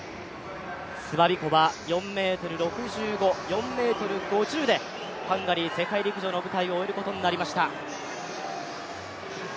スバビコバ４ｍ６５、４ｍ５０でハンガリー世界陸上の舞台を終えることになりました。